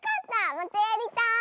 またやりたい！